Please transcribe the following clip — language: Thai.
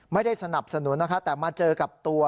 ไม่ได้สนับสนุนนะคะแต่มาเจอกับตัว